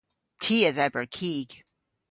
Ty a dheber kig.